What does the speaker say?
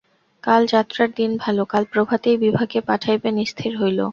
কাল যাত্রার দিন ভালো, কাল প্রভাতেই বিভাকে পাঠাইবেন স্থির হইল।